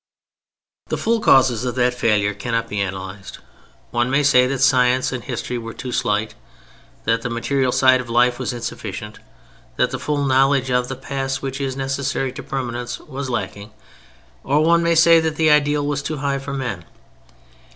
The full causes of that failure cannot be analyzed. One may say that science and history were too slight; that the material side of life was insufficient; that the full knowledge of the past which is necessary to permanence was lacking—or one may say that the ideal was too high for men.